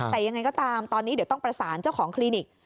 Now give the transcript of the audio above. แต่ยังไงก็ตามตอนนี้เดี๋ยวต้องประสานเจ้าของคลินิก